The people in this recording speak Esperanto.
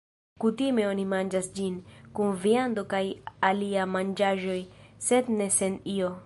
Kutime oni manĝas ĝin, kun viando kaj aliaj manĝaĵoj, sed ne sen io.